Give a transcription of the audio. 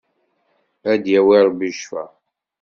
Ad d-yawi Rebbi ccfa!